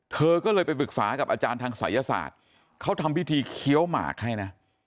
เธอก็เลยไปปรึกษากับอาจารย์ทางศัยศาสตร์เขาทำพิธีเคี้ยวหมากให้นะ